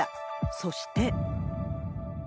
そして。